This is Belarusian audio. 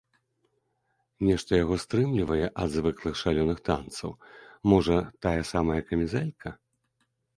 Нешта яго стрымлівае ад звыклых шалёных танцаў, можа, тая самая камізэлька?